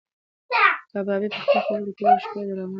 کبابي په خپلو خبرو کې د تېرې شپې ډرامه یادوله.